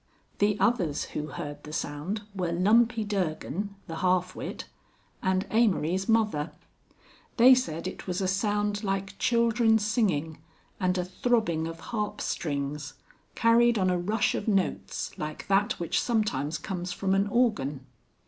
The others who heard the sound were Lumpy Durgan, the half wit, and Amory's mother. They said it was a sound like children singing and a throbbing of harp strings, carried on a rush of notes like that which sometimes comes from an organ.